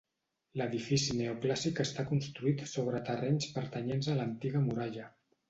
L'edifici neoclàssic està construït sobre terrenys pertanyents a l'antiga muralla.